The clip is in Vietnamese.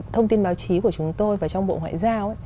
thông tin báo chí của chúng tôi và trong bộ ngoại giao